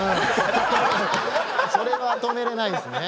それは止めれないですね。